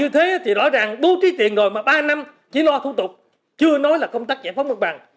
thế thì rõ ràng bố trí tiền rồi mà ba năm chỉ lo thủ tục chưa nói là công tác giải phóng mặt bằng